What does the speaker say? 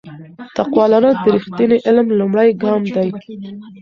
تقوا لرل د رښتیني علم لومړی ګام دی.